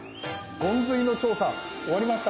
ゴンズイの調査終わりました！